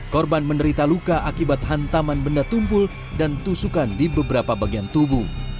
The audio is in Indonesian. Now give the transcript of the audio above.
korban menderita luka akibat hantaman benda tumpul dan tusukan di beberapa bagian tubuh